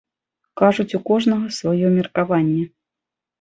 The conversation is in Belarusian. Кажуць, у кожнага сваё меркаванне.